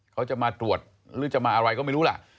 เขาจะมาตรวจหรือจะมาอะไรก็ไม่รู้ล่ะ